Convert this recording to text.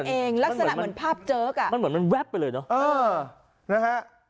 เองลักษณะเหมือนภาพเจิ๊กอ่ะมันเหมือนมันแป๊บไปเลยเนอะเออนะฮะ